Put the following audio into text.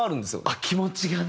あっ気持ちがね。